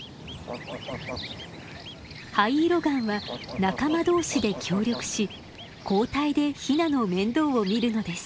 ハイイロガンは仲間同士で協力し交代でヒナの面倒を見るのです。